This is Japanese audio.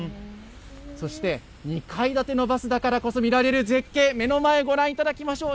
そして２階建てのバスだからこそ見られる絶景、目の前、ご覧いただきましょう。